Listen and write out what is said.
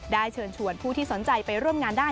เชิญชวนผู้ที่สนใจไปร่วมงานได้